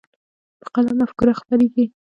په قلم مفکوره خپرېږي.